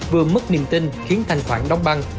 vừa mất niềm tin khiến thanh khoản đóng băng